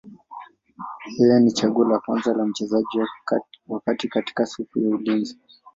Yeye ni chaguo la kwanza la mchezaji wa kati katika safu ya ulinzi.